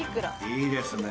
いいですね。